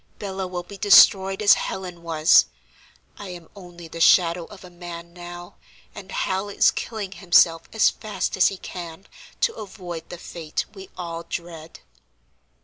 Bella will be destroyed as Helen was; I am only the shadow of a man now, and Hal is killing himself as fast as he can, to avoid the fate we all dread."